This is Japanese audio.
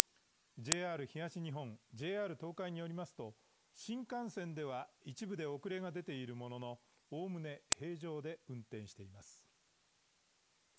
ＪＲ東日本、ＪＲ東海によりますと、新幹線では一部で遅れが出ているもののおおむね平常で運転しています。